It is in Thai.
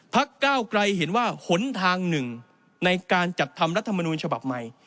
ก้าวไกลเห็นว่าหนทางหนึ่งในการจัดทำรัฐมนูลฉบับใหม่